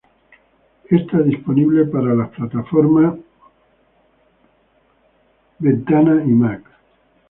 Está disponible para las plataformas Microsoft Windows y Mac.